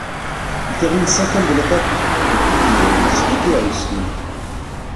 Il termine cinquième de l'étape de Coupe du monde disputée à Oslo.